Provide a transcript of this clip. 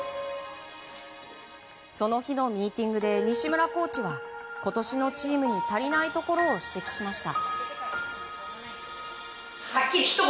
その日のミーティングで西村コーチは今年のチームに足りないところを指摘しました。